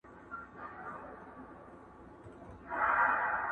ماویل زه به د سپېدو پر اوږو!!